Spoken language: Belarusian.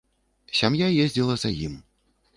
Сям'я ездзіла за ім.